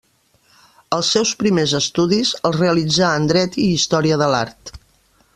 Els seus primers estudis, els realitzà en Dret i Història de l'Art.